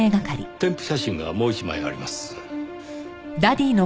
添付写真がもう一枚あります。